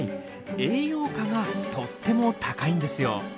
栄養価がとっても高いんですよ。